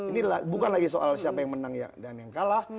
ini bukan lagi soal siapa yang menang dan yang kalah